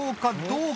どう？